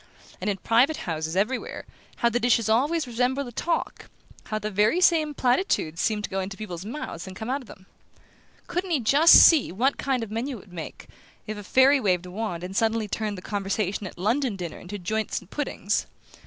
And in private houses, everywhere, how the dishes always resembled the talk how the very same platitudes seemed to go into people's mouths and come out of them? Couldn't he see just what kind of menu it would make, if a fairy waved a wand and suddenly turned the conversation at a London dinner into joints and puddings?